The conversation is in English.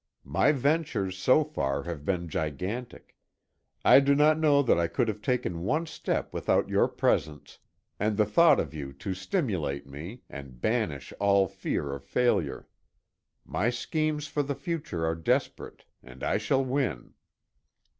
My ventures, so far, have been gigantic; I do not know that I could have taken one step without your presence, and the thought of you to stimulate me, and banish all fear of failure. My schemes for the future are desperate and I shall win."